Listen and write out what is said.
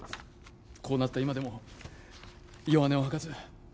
こうなった今でも弱音を吐かず